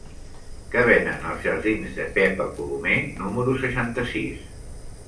Què venen als jardins de Pepa Colomer número seixanta-sis?